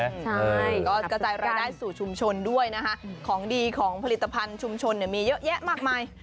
ใช่ก็กระจายรายได้สู่ชุมชนด้วยนะคะของดีของผลิตภัณฑ์ชุมชนเนี่ยมีเยอะแยะมากมาย